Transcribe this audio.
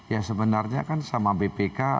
ya sebenarnya kan sama bpk